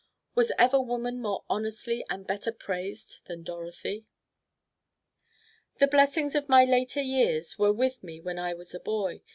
Was ever woman more honestly and better praised than Dorothy? "The blessings of my later years Were with me when I was a boy.